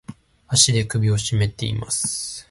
足で首をしめています。